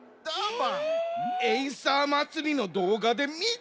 エイサーまつりのどうがでみたわ！